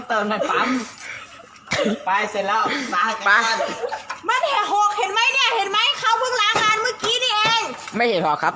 เติมน้ำมันนะเติมน้ำมันไม่น้ำมันอ่ะมันต้องเติมให้ปั๊ม